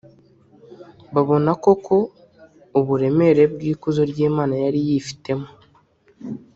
Babona koko uburemere bw’ikuzo ry’Imana yari yifitemo